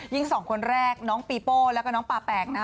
ยิ่ง๒คนแรกน้องปีโป้และกับน้องปาแปลง